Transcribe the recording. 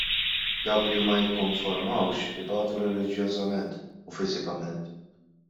Dawk li ma jikkonformawx, ibatu reliġjożament u fiżikament.